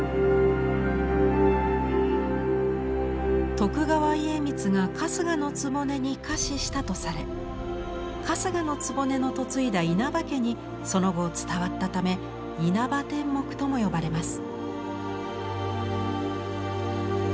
徳川家光が春日局に下賜したとされ春日局の嫁いだ稲葉家にその後伝わったため「稲葉天目」とも呼ばれます。